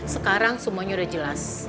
sekarang semuanya udah jelas